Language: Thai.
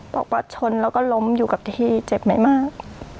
บอกว่าชนแล้วก็ล้มอยู่กับที่เจ็บไม่มาก